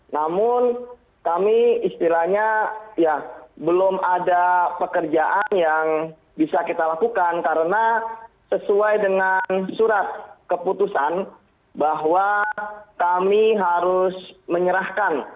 namun kami istilahnya ya belum ada pekerjaan yang bisa kita lakukan karena sesuai dengan surat keputusan bahwa kami harus menyerahkan